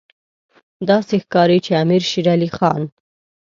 داسې ښکاري چې امیر شېر علي خان.